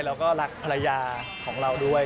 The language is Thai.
เราก็รักภรรยาของเราด้วย